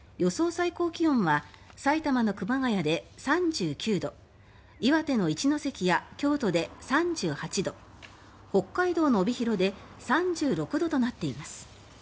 最高気温は埼玉の熊谷で３９度岩手の一関や京都で３８度北海道の帯広で３６度となっています。